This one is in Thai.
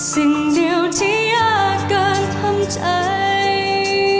สิ่งเดียวที่ยากเกินทำใจ